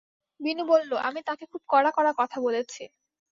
বিনু বলল, আমি তাঁকে খুব কড়া-কড়া কথা বলেছি।